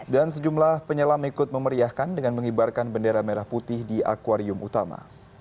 dan sejumlah penyelam ikut memeriahkan dengan menghibarkan bendera merah putih di akwarium utama